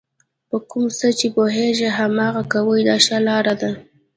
په کوم څه چې پوهېږئ هماغه کوئ دا ښه لار ده.